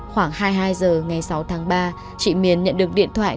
khoảng hai mươi hai h ngày sáu tháng ba chị miền nhận được điện thoại